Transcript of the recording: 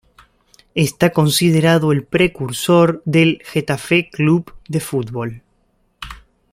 Está considerado el precursor del Getafe Club de Fútbol.